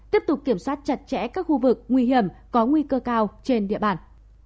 tiếp tục kiểm soát chặt chẽ các khu vực nguy hiểm có nguy cơ cao trên địa bàn